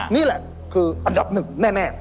นี่แหละคืออันดับหนึ่งแน่